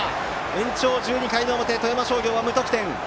延長１２回の表富山商業は無得点。